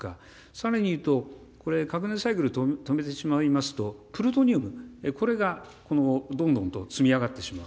さらに言うと、核燃料サイクル止めてしまいますと、プルトニウム、これがどんどんと積み上がってしまう。